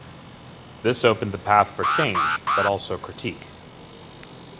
This opened the path for change but also critique.